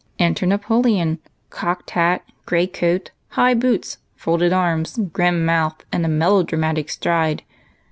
Enter Napoleon, cocked hat, gray coat, high boots, folded arms, grim mouth, and a melodramatic stride.